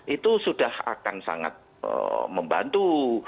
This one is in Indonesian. itu sudah akan sangat membantu